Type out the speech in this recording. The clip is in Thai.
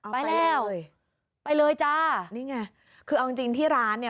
ไปแล้วไปเลยจ้านี่ไงคือเอาจริงจริงที่ร้านเนี่ย